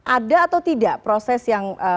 ada atau tidak proses yang